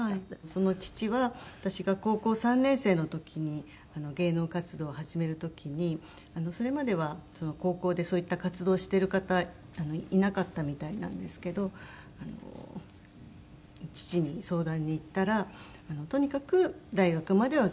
その父は私が高校３年生の時に芸能活動を始める時にそれまでは高校でそういった活動をしてる方いなかったみたいなんですけど父に相談に行ったら「とにかく大学まではきちんと卒業しなさいね」